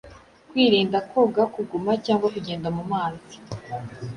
Kwirinda koga, kuguma cyangwa kugenda mu mazi